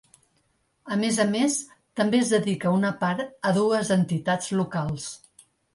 A més a més, també es dedica una part a dues entitats locals.